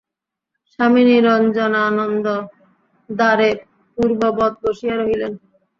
স্বামী নিরঞ্জনানন্দ দ্বারে পূর্ববৎ বসিয়া রহিলেন।